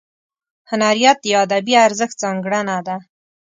هنریت یا ادبي ارزښت ځانګړنه ده.